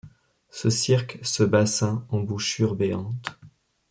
Ce cirque, ce bassin, embouchure béante